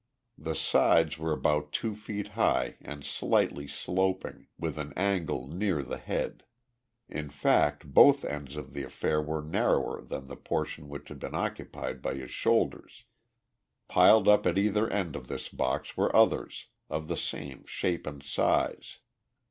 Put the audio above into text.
The sides were about two feet high and slightly sloping, with an angle near the head. In fact, both ends of the affair were narrower than the portion which had been occupied by his shoulders. Piled up at either end of this box were others, of the same shape and size.